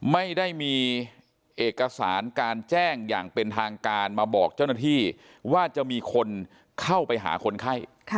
ไม่ได้มีเอกสารการแจ้งอย่างเป็นทางการมาบอกเจ้าหน้าที่ว่าจะมีคนเข้าไปหาคนไข้